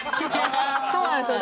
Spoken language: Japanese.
そうなんですよ。